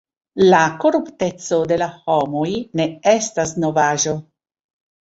La korupteco de la homoj ne estas novaĵo.